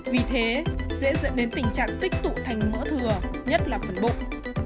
vì thế dễ dẫn đến tình trạng tích tụ thành mỡ thừa nhất là phần bụng